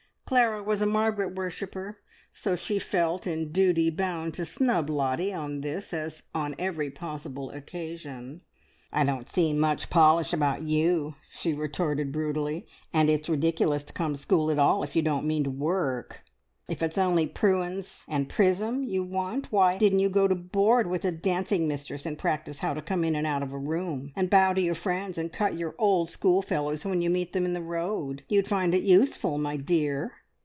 Clara was a Margaret worshipper, so she felt in duty bound to snub Lottie on this as on every possible occasion. "I don't see much polish about you!" she retorted brutally. "And it's ridiculous to come to school at all, if you don't mean to work. If it's only `pruins and prism' you want, why didn't you go to board with a dancing mistress, and practise how to come in and out of a room, and bow to your friends, and cut your old schoolfellows when you meet them in the road? You'd find it useful, my dear!"